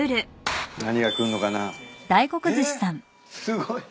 すごい。